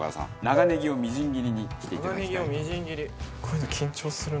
長ネギをみじん切りにしていただきたいと。